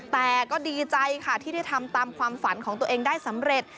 แต่ก็ดีใจค่ะที่ได้ทำตามความฝันของตัวเองได้สำเร็จ